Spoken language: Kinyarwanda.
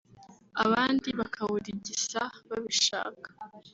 abandi bakawurigisa babishaka